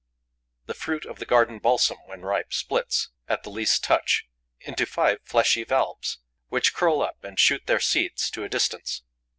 The fruit of the garden balsam, when ripe, splits, at the least touch, into five fleshy valves, which curl up and shoot their seeds to a distance.